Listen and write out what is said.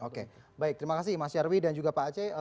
oke baik terima kasih mas nyarwi dan juga pak aceh